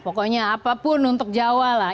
pokoknya apapun untuk jawa lah